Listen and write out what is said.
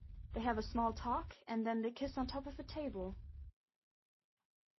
They have a small talk, and then they kiss on top of a table.